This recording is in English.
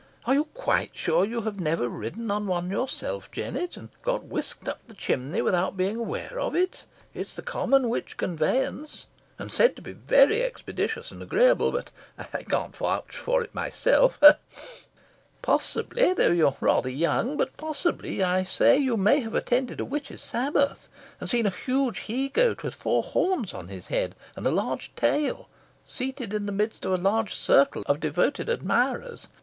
Are you quite sure you have never ridden on one yourself, Jennet, and got whisked up the chimney without being aware of it? It's the common witch conveyance, and said to be very expeditious and agreeable but I can't vouch for it myself ha! ha! Possibly though you are rather young but possibly, I say, you may have attended a witch's Sabbath, and seen a huge He Goat, with four horns on his head, and a large tail, seated in the midst of a large circle of devoted admirers.